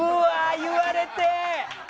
言われてー！